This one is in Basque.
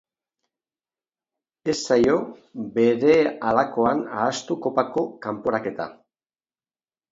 Ez zaio berehalakoan ahaztu kopako kanporaketa.